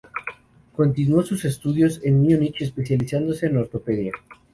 Continuó sus estudios en Múnich, especializándose en ortopedia.